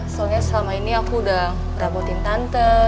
soalnya selama ini aku udah perabotin tante